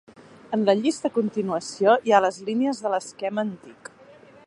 En la llista a continuació hi ha les línies de l'esquema antic.